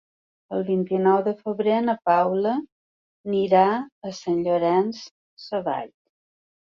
El vint-i-nou de febrer na Paula anirà a Sant Llorenç Savall.